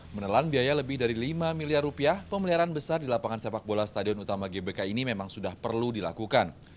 menelan biaya lebih dari lima miliar rupiah pemeliharaan besar di lapangan sepak bola stadion utama gbk ini memang sudah perlu dilakukan